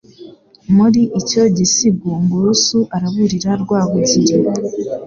Muri icyo gisigo, Ngurusu araburira Rwabugil